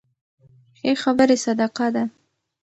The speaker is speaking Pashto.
ښې خبرې صدقه ده.